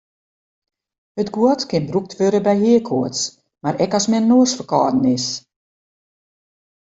It guod kin brûkt wurde by heakoarts mar ek as men noasferkâlden is.